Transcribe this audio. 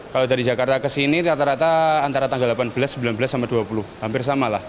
kalau dari jakarta ke sini rata rata antara tanggal delapan belas sembilan belas sama dua puluh hampir sama lah